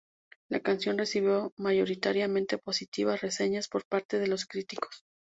La canción recibió mayoritariamente positivas reseñas por parte de los críticos.